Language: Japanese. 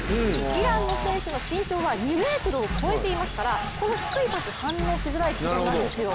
イランの選手の身長は２ｍを超えていますからこの低いパス、反応しづらい軌道なんですよ。